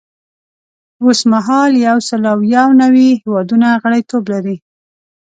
اوس مهال یو سل او یو نوي هیوادونه غړیتوب لري.